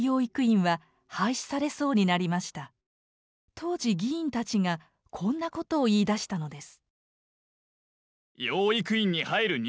当時議員たちがこんなことを言いだしたのです。